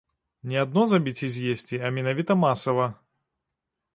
Не адно забіць і з'есці, а менавіта масава.